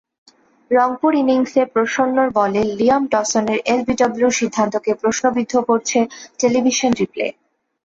রংপুর ইনিংসে প্রসন্নর বলে লিয়াম ডসনের এলবিডব্লুর সিদ্ধান্তকে প্রশ্নবিদ্ধ করছে টেলিভিশন রিপ্লে।